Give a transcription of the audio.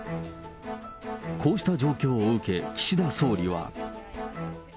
こうした状況を受け、岸田総理は。